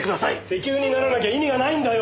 石油にならなきゃ意味がないんだよ！